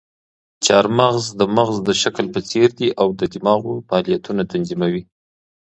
چهارمغز د مغز د شکل په څېر دي او د دماغو فعالیتونه تنظیموي.